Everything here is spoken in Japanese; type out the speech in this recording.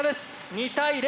２対０！